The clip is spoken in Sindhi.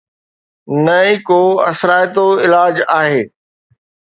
نه ئي ڪو اثرائتو علاج آهي